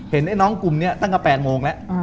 เห็นไอ้น้องกลุ่มตั้งกับ๘โมงและ